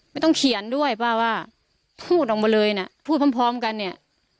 ไม่ต้องเขียนด้วยป้าว่าพูดออกมาเลยนะพูดพร้อมพร้อมกันเนี่ย